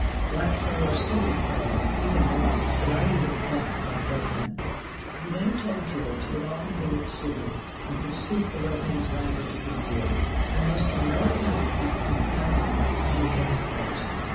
"Black fellow stupid fellow eat 'em raw; but I eat 'em burn't, like white man." He then told George he had often been at Sydney, and could "speak the white man's language a good deal," and must on no account be confounded with common black fellows.